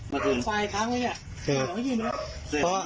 ฝ่ายค้างไว้เนี่ยเพราะเขาจ่ายก่อน๑๐๐๐บาท